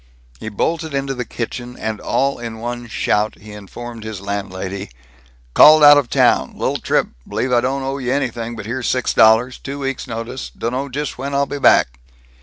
He bolted into the kitchen and all in one shout he informed his landlady, "Called out of town, li'l trip, b'lieve I don't owe you an'thing, here's six dollars, two weeks' notice, dunno just when I be back."